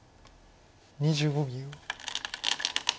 ２５秒。